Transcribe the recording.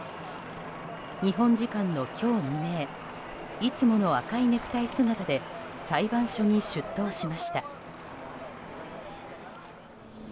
日本時間の今日未明いつもの赤いネクタイ姿で裁判所に出頭しました。